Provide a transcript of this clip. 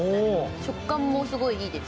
食感もすごい、いいです。